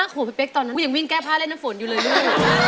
๕ขวบตอนนั้นกูยังวิ่งแก้ผ้าเล่นน้ำฝนอยู่เลยเนี่ย